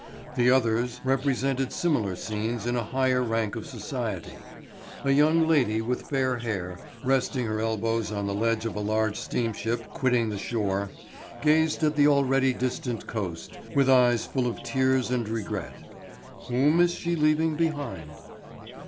The others represented similar scenes in a higher rank of society. A young lady with fair hair, resting her elbows on the ledge of a large steamship quitting the shore, gazed at the already distant coast with eyes full of tears and regret. Whom is she leaving behind?